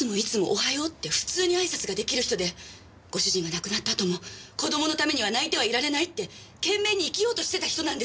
おはようって普通にあいさつが出来る人でご主人が亡くなったあとも子供のためには泣いてはいられないって懸命に生きようとしてた人なんですよ？